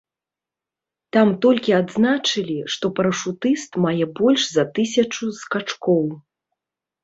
Там толькі адзначылі, што парашутыст мае больш за тысячу скачкоў.